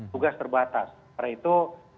tugas terbatas oleh itu